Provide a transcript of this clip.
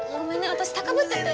私高ぶってて。